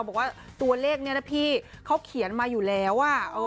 บอกว่าตัวเลขนี้นะพี่เขาเขียนมาอยู่แล้ว